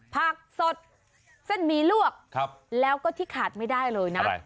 ผักสดเส้นหมี่ลวกแล้วก็ที่ขาดไม่ได้เลยนะ